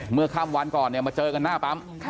เมื่อค่ำวันก่อนมาเจอกันหน้าปั๊ม